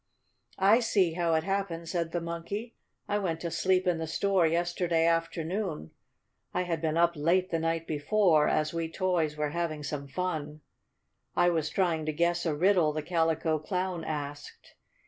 "I see how it happened," said the Monkey. "I went to sleep in the store yesterday afternoon. I had been up late the night before, as we toys were having some fun. I was trying to guess a riddle the Calico Clown asked.